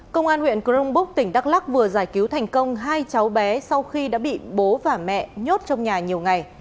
công an huyện crong búc tỉnh đắk lắc vừa giải cứu thành công hai cháu bé sau khi đã bị bố và mẹ nhốt trong nhà nhiều ngày